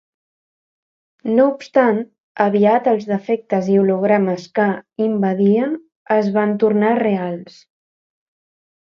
No obstant, aviat els defectes i hologrames que invadien es van tornar reals.